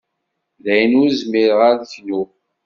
Dayen ur zmireɣ ad knuɣ.